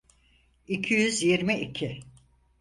İki yüz yirmi iki.